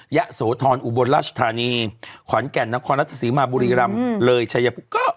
ยะโสธรอุบลราชธานีขอนแก่นนครรัฐศรีมาบุรีรัมเลยชายพุกก็เยอะพอสมควร